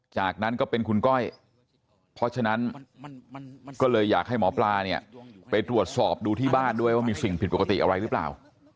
จากนั้นก็เป็นคุณก้อยเพราะฉะนั้นก็เลยอยากให้หมอปลาเนี่ยไปตรวจสอบดูที่บ้านด้วยว่ามีสิ่งผิดปกติอะไรหรือเปล่า